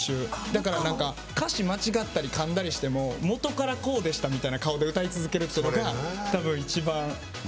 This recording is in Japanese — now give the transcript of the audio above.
だから、歌詞間違ったりかんだりしても元から、こうでしたみたいな顔で歌い続けるのが一番。